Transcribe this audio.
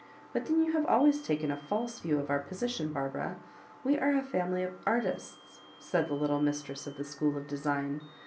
But then you have always taken a false view of our position, Barbara. We are a family of artists,'" said the little mistress of the School of Design.